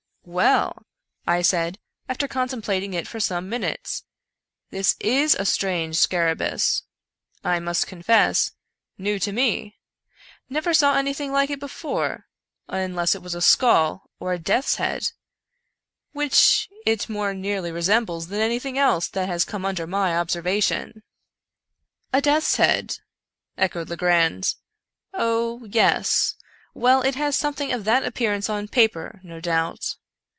" Well !" I said, after contemplating it for some min utes, " this is a strange scarabarus, I must confess ; new to me; never saw anything like it before — unless it was a skull, or a death's head, which it more nearly resembles than anything else that has come under viy observation." " A death's head !" echoed Legrand. " Oh — yes — well, it has something of that appearance upon paper, no doubt.